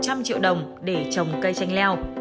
anh đã vay được một trăm linh triệu đồng để trồng cây chanh leo